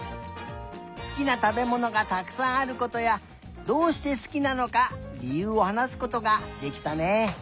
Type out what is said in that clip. すきなたべものがたくさんあることやどうしてすきなのかりゆうをはなすことができたね。